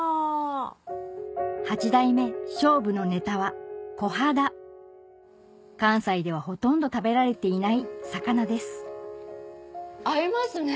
八代目勝負のネタは関西ではほとんど食べられていない魚です合いますね